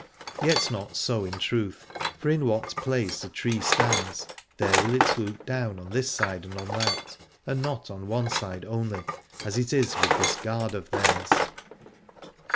Yet not so in truth, for in what place a tree stands, there will it look down on this side and on that, and not on one side only, as it is with this Gard of theirs.